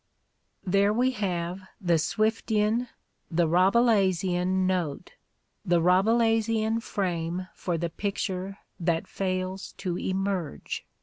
" There we have the Swiftian, the Rabelais ian note, the Rabelaisian frame for the picture that fails to emerge.